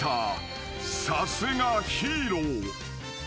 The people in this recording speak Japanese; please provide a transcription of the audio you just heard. ［さすがヒーロー］